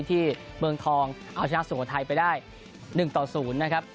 ที่เมืองทองเอาชนะส่วนคนไทยไปได้๑ต่อ๐นะครับ